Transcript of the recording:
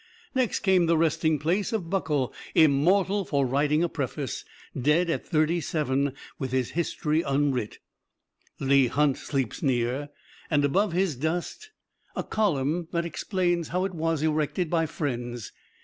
Next came the resting place of Buckle immortal for writing a preface dead at thirty seven, with his history unwrit; Leigh Hunt sleeps near, and above his dust a column that explains how it was erected by friends.